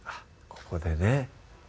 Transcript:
ここでね